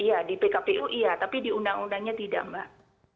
iya di pkpu iya tapi di undang undangnya tidak mbak